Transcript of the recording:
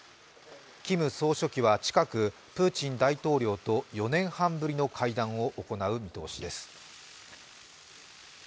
キム総書記は近く、プーチン大統領と４年半ぶりの会談を行う見通しです。